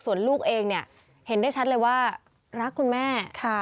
ส่วนลูกเองเนี่ยเห็นได้ชัดเลยว่ารักคุณแม่